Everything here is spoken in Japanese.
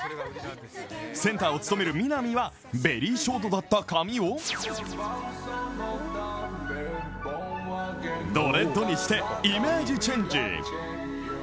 センターを務めるＭＩＮＡＭＩはベリーショートだった髪をドレッドにしてイメージチェンジ。